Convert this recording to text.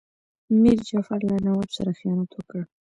میر جعفر له نواب سره خیانت وکړ.